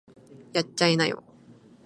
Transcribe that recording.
やっちゃいなよ